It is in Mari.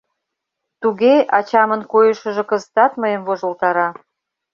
— Туге, ачамын койышыжо кызытат мыйым вожылтара...